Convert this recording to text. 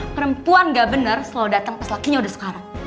perempuan gak bener selalu datang pas lakinya udah sekarang